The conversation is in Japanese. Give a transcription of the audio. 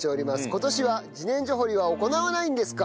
「今年は自然薯掘りは行わないんですか？」